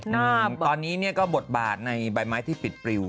ตอนนี้เนี่ยก็บทบาทในใบไม้ที่ปิดปริว